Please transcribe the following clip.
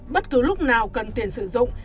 bất cứ lúc nào cần tiền sử dụng